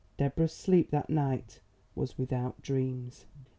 Deborah's sleep that night was without dreams.